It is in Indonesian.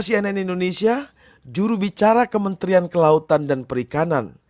cnn indonesia jurubicara kementerian kelautan dan perikanan